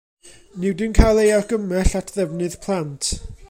Nid yw'n cael ei argymell at ddefnydd plant.